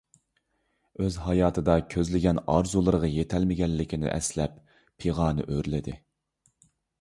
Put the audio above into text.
ئۆز ھاياتىدا كۆزلىگەن ئارزۇلىرىغا يېتەلمىگەنلىكىنى ئەسلەپ پىغانى ئۆرلىدى.